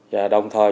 và đồng thời